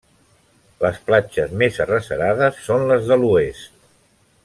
Les platges més arrecerades són les de l'oest.